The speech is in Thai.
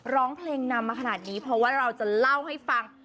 ร้องเพลงนำมาขนาดนี้เพราะว่าเราจะเล่าให้ฟัง